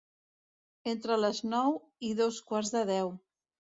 Entre les nou i dos quarts de deu.